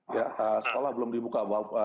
ya sekolah belum dibuka